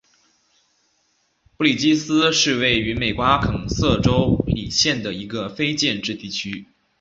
布里基斯是位于美国阿肯色州李县的一个非建制地区。